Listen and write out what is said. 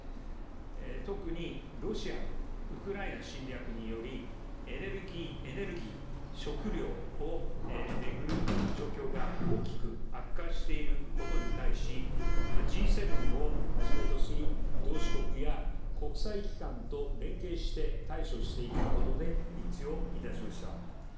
特にロシアのウクライナ侵略により、エネルギー、食糧を巡る状況が大きく悪化していることに対し、Ｇ７をはじめとする同志国や国際機関と連携して対処していくことで一致を致しました。